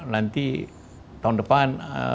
nanti tahun depan